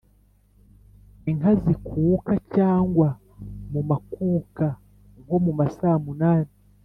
inka zikuka cyangwa mu makuka (nko mu masaa munani)